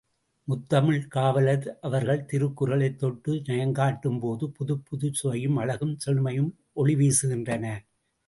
முத்தமிழ்க் காவலர் அவர்கள் திருக்குறளைத் தொட்டு நயங்காட்டும்போது, புதுப்புதுச் சுவையும், அழகும், செழுமையும் ஒளி வீசுகின்றன.